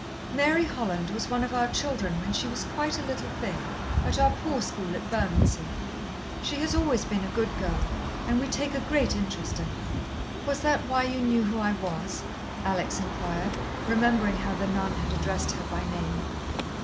"Mary Holland was one of our children when she was quite a little thing, at our Poor school at Bermondsey. She has always been a good girl, and we take a great interest in her." "Was that why you knew who I was?" Alex inquired, remembering how the nun had addressed her by name.